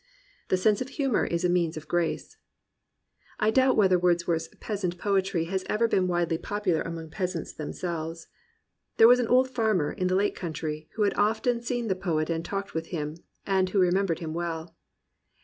The sense of humour is a means of grace. I doubt whether Wordsworth's p>easant poetry has ever been widely popular among peasants them selves. There was an old farmer in the Lake Coun try who had often seen the poet and talked with him, and who remembered him well.